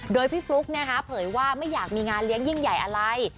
โดยพี่ฟลุ๊กเผยว่าไม่อยากมีงานเลี้ยงยิ่งใหญ่อะไร